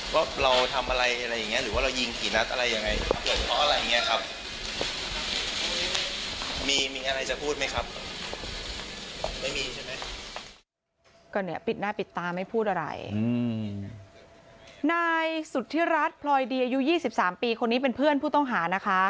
ก็เหนียวสุดที่รัฐพลอยดีอยู่๒๓ปีคนนี้เป็นเพื่อนผู้ต้องหานะคะเขาเล่าให้ฟังว่าก่อนเกิดเหตุกลุ่มของเขาเอง